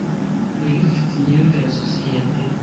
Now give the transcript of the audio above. Ninde ufite imyenda ya sosiyete